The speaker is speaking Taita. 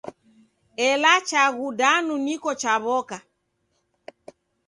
Ela chaghu danu niko chaw'oka.